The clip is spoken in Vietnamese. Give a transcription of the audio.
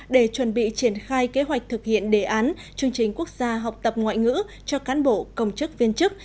để chuẩn bị triển khai kế hoạch thực hiện đề án chương trình quốc gia học tập ngoại ngữ cho cán bộ công chức viên chức